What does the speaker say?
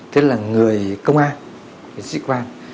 thế là người công an người sĩ quan